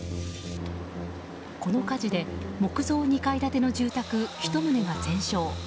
この火事で木造２階建ての住宅１棟が全焼。